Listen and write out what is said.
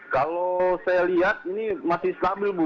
kalau saya lihat ini masih stabil bu